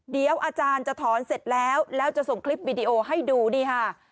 เดี๋ยวอาจารย์จะถอนเสร็จแล้วแล้วจะส่งคลิปวิดีโอให้ดูนี่ค่ะ